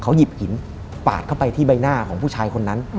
หยิบหินปาดเข้าไปที่ใบหน้าของผู้ชายคนนั้น